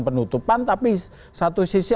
penutupan tapi satu sisi